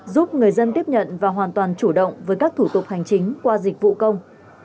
giúp người dân tiếp nhận và hoàn toàn chủ động với các thủ tục hành chính qua dịch vụ công